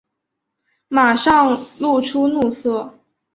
马上露出怒色